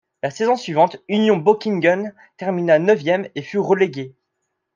La saison suivante, Union Böckingen termina neuvième et fut reléguée.